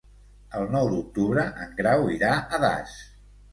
El nou d'octubre en Grau irà a Das.